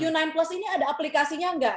nah q sembilan plus ini ada aplikasinya enggak